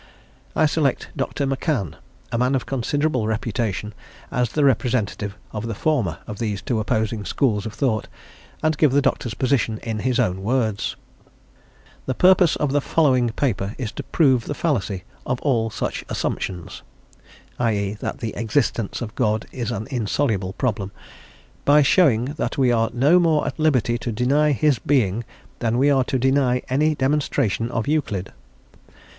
I select Dr. McCann, a man of considerable reputation, as the representative of the former of these two opposing schools of thought, and give the Doctor's position in his own words: "The purpose of the following paper is to prove the fallacy of all such assumptions" (i e., that the existence of God is an insoluble problem), "by showing that we are no more at liberty to deny His being, than we are to deny any demonstration of Euclid.